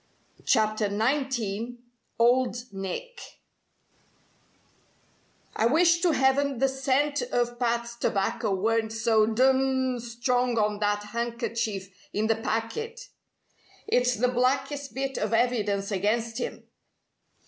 CHAPTER XIX OLD NICK "I wish to heaven the scent of Pat's tobacco weren't so d d strong on that handkerchief in the packet. It's the blackest bit of evidence against him!"